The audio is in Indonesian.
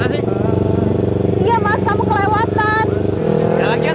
kok kamu gak belok sih mas